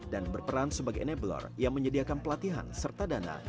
dan berperan sebagai enabler yang menyediakan pelatihan serta dana